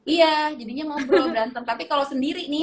iya jadinya ngobrol berantem tapi kalau sendiri nih